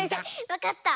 わかった！